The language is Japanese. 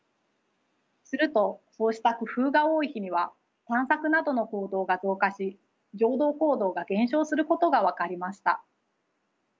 するとそうした工夫が多い日には探索などの行動が増加し常同行動が減少することが分かりました。